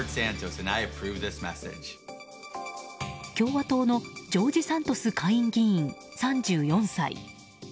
共和党のジョージ・サントス下院議員３４歳。